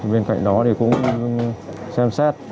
bên cạnh đó thì cũng xem xét